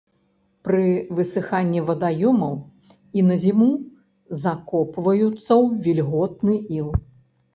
Пры высыханні вадаёмаў і на зіму закопваюцца ў вільготны іл.